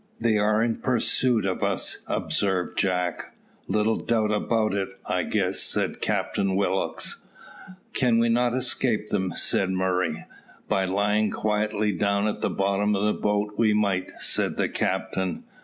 "They are in pursuit of us," observed Jack. "Little doubt about it, I guess," said Captain Willock. "Can we not escape them?" said Murray. "By lying quietly down at the bottom of the boat we might," said the captain.